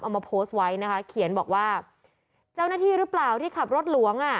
เอามาโพสต์ไว้นะคะเขียนบอกว่าเจ้าหน้าที่หรือเปล่าที่ขับรถหลวงอ่ะ